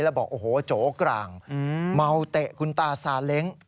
แล้วบอกโจ๊กกลางเมาเตะคุณตาสาเล้ง